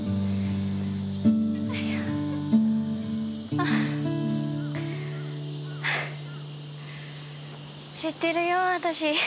あぁぁ。知ってるよ私。